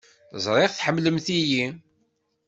Ẓriɣ tḥemmlemt-iyi.